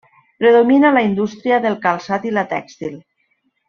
Predomina la indústria del calçat i la tèxtil.